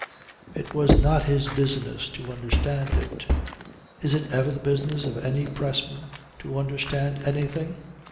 It was not his business to understand it. Is it ever the business of any pressman to understand anything?